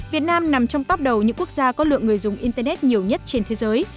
việt nam nằm trong top đầu những quốc gia có lượng người dùng internet nhiều nhất trên thế giới